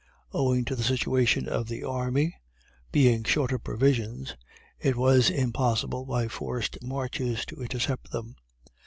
Owing to the situation of the army (being short of provisions) it was impossible, by forced marches, to intercept them.